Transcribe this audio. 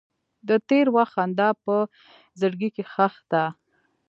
د تېر وخت خندا په زړګي کې ښخ ده.